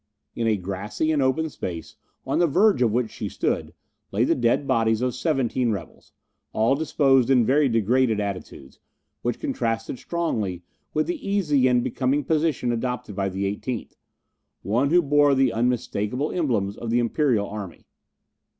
In a grassy and open space, on the verge of which she stood, lay the dead bodies of seventeen rebels, all disposed in very degraded attitudes, which contrasted strongly with the easy and becoming position adopted by the eighteenth one who bore the unmistakable emblems of the Imperial army.